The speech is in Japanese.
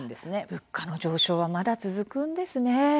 物価の上昇まだ続くんですね。